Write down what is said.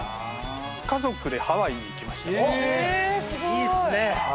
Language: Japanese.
いいっすね。